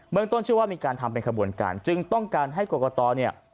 เมืองต้นชื่อว่ามีการทำเป็นขบวนการจึงต้องการให้กรกตเนี่ย